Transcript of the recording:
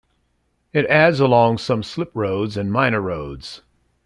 It adds along some slip roads and minor roads.